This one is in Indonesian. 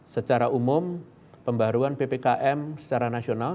secara umum pembaruan ppkm secara nasional